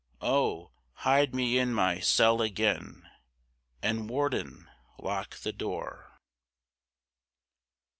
Oh! hide me in my cell again, And, warden, lock the door.